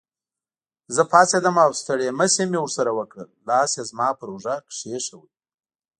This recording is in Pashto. زه پاڅېدم او ستړي مشي مې ورسره وکړل، لاس یې زما پر اوږه کېښود.